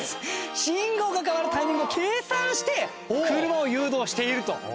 信号が変わるタイミングを計算して車を誘導していると。